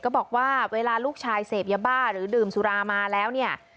บอกว่าเวลาลูกชายเสพยาบ้าหรือดื่มสุรามาแล้วเนี่ย